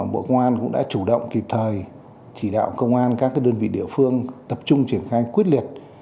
bộ công an cũng đã chủ động kịp thời chỉ đạo công an các đơn vị địa phương tập trung triển khai quyết liệt